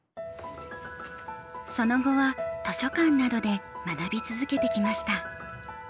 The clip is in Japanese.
その後は図書館などで学び続けてきました。